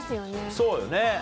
そうよね。